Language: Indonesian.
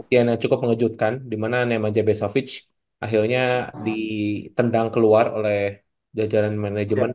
yang cukup mengejutkan dimana neemanja besovic akhirnya ditendang keluar oleh jajaran manajemen